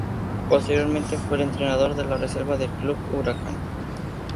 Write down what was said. Posteriormente fue el entrenador de la reserva del Club Huracán.